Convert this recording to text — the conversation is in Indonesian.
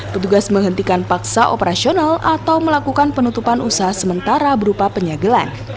petugas menghentikan paksa operasional atau melakukan penutupan usaha sementara berupa penyegelan